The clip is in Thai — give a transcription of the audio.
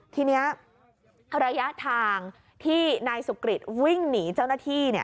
ทีนี้ระยะทางที่นายสุกริตวิ่งหนีเจ้าหน้าที่